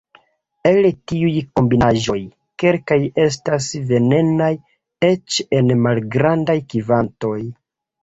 El tiuj kombinaĵoj, kelkaj estas venenaj, eĉ en malgrandaj kvantoj.